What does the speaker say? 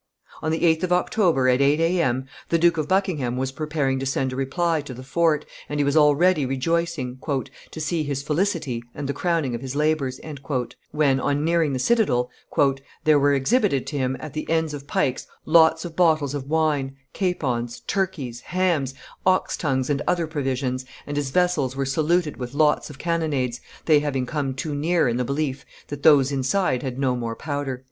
On the 8th of October, at eight A. M., the Duke of Buckingham was preparing to send a reply to the fort, and he was already rejoicing "to see his felicity and the crowning of his labors," when, on nearing the citadel, "there were exhibited to him at the ends of pikes lots of bottles of wine, capons, turkeys, hams, ox tongues, and other provisions, and his vessels were saluted with lots of cannonades, they having come too near in the belief that those inside had no more powder."